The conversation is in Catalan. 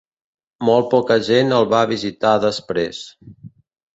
Molt poca gent el va visitar després.